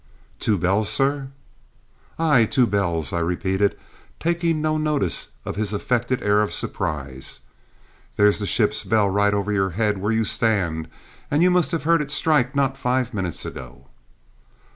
"Two bells, sir?" "Aye, two bells," I repeated, taking no notice of his affected air of surprise. "There's the ship's bell right over your head where you stand, and you must have heard it strike not five minutes ago."